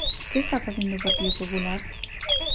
¿Que está facendo o Partido Popular?